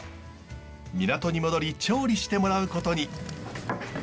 港に戻り調理してもらうことに。